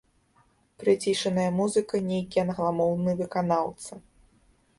Прыцішаная музыка, нейкі англамоўны выканаўца.